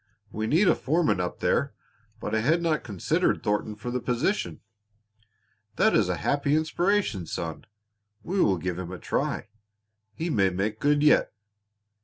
We need a foreman up there, but I had not considered Thornton for the position. That is a happy inspiration, son. We will give him a try. He may make good yet."